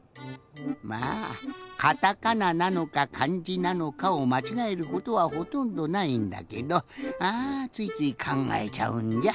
まあカタカナなのかかんじなのかをまちがえることはほとんどないんだけどあついついかんがえちゃうんじゃ。